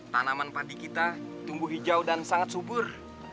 tanaman padi kita tumbuh hijau dan sangat subur